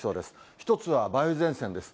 一つは梅雨前線です。